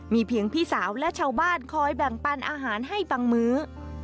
มีเพียงพี่สาวและชาวบ้านคอยแบ่งปันอาหารให้บางมื้อ